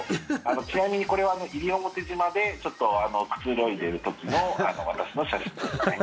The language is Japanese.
ちなみに、これは西表島でちょっとくつろいでる時の私の写真ですね。